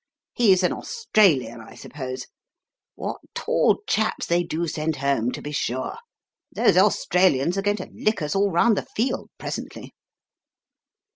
He's an Australian, I suppose. What tall chaps they do send home, to be sure! Those Australians are going to lick us all round the field presently."